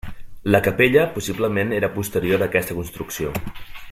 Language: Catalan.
La capella possiblement era posterior a aquesta construcció.